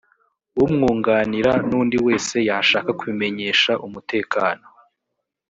umwunganira n undi wese yashaka kubimenyesha umutekano